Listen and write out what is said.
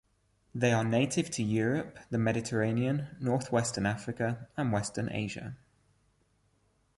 They are native to Europe, the Mediterranean, northwestern Africa, and western Asia.